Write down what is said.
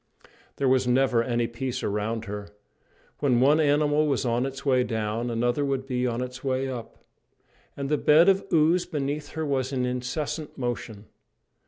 There was never any peace around her. When one animal was on its way down, another would be on its way up. And the bed of ooze beneath her was in incessant motion.